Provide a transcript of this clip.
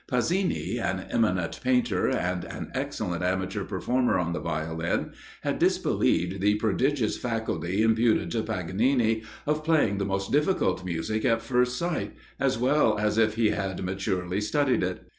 Pasini, an eminent painter, and an excellent amateur performer on the Violin, had disbelieved the prodigious faculty imputed to Paganini, of playing the most difficult music at first sight, as well as if he had maturely studied it.